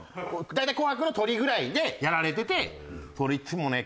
大体『紅白』のトリぐらいでやられててそれいつもね